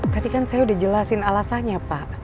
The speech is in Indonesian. tadi kan saya udah jelasin alasannya pak